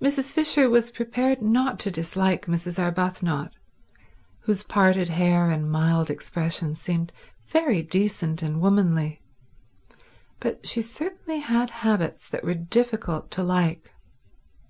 Mrs. Fisher was prepared not to dislike Mrs. Arbuthnot, whose parted hair and mild expression seemed very decent and womanly, but she certainly had habits that were difficult to like.